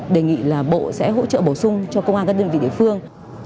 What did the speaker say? đề nghị là bộ sẽ hỗ trợ bổ sung cho công an các đơn vị địa phương